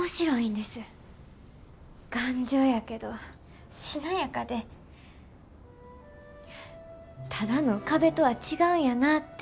頑丈やけどしなやかでただの壁とは違うんやなって